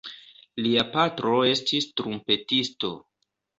Lia patro estis trumpetisto.